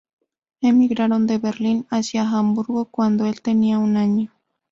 Emigraron de Berlín hacia Hamburgo cuando el tenía un año.